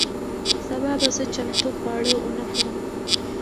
سبا به زه چمتو خواړه ونه خورم.